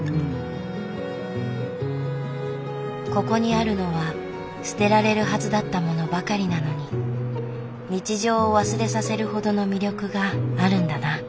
ここにあるのは捨てられるはずだったものばかりなのに日常を忘れさせるほどの魅力があるんだな。